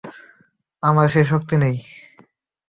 আমার সে শক্তি নেই।